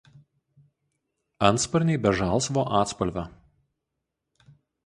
Antsparniai be žalsvo atspalvio.